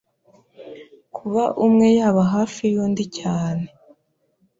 Kuba umwe yaba hafi y’undi cyane